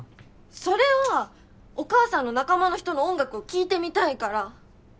それはお母さんの仲間の人の音楽を聴いてみたいから。